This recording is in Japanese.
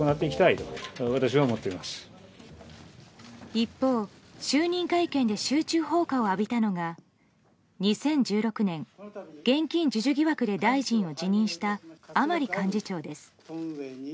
一方、就任会見で集中砲火を浴びたのが２０１６年、現金授受疑惑で大臣を辞任した甘利幹事長です。